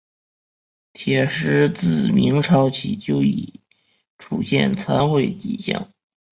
铁狮自明朝起就已出现残毁迹象。